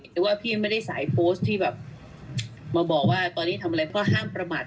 แต่ว่าพี่ไม่ได้สายโพสต์ที่แบบมาบอกว่าตอนนี้ทำอะไรก็ห้ามประมาท